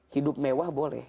hidup mewah boleh